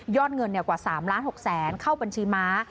เงินกว่า๓ล้าน๖แสนเข้าบัญชีม้า